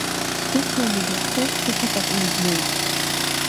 Дықәланы дышцоз қыҭак аҟны днеит.